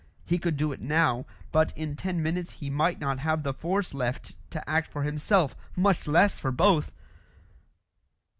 He could do it now; but in ten minutes he might not have the force left to act for himself, much less for both!